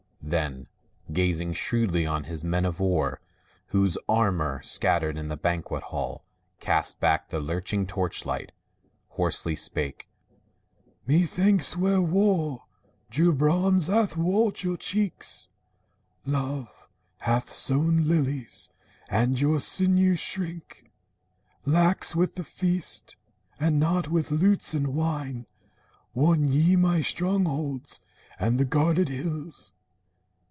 Then, gazing shrewdly on his men of war, Whose armor, scattered in the banquet hall, Cast back the lurching torch light, hoarsely spake: "Methinks where War drew bronze athwart your cheeks Love hath sown lilies, and your sinews shrink, Lax with the feast. And not with lutes and wine Won ye my strongholds and the guarded hills.